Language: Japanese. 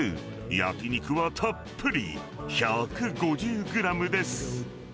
焼き肉はたっぷり１５０グラムです。